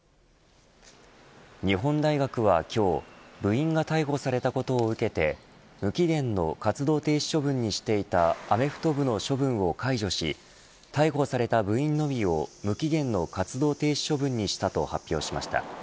日本大学は今日部員が逮捕されたことを受けて無期限の活動停止処分にしていたアメフト部の処分を解除し逮捕された部員のみを無期限の活動停止処分にしたと発表しました。